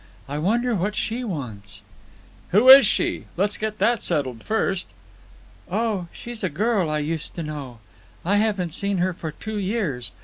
I wonder what she wants." "Who is she? Let's get that settled first." "Oh, she's a girl I used to know. I haven't seen her for two years.